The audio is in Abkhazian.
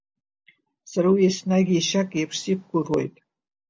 Сара уи еснагь ешьак иеиԥш сиқәгәыӷуеит.